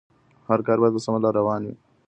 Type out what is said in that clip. هر کار بايد په سمه لاره روان وي.